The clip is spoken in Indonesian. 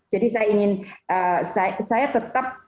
jadi saya ingin saya tetap